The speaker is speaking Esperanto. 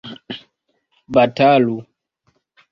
batalu